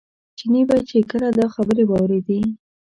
چیني به چې کله دا خبرې واورېدې.